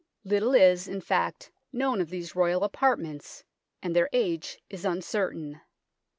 Little is, in THE FORTRESS 27 fact, known of these Royal apartments, and their age is uncertain.